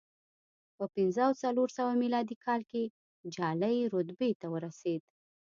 په پنځه او څلور سوه میلادي کال کې جالۍ رتبې ته ورسېد